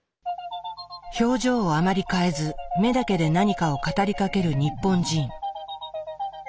表情をあまり変えず目だけで何かを語りかける日本人。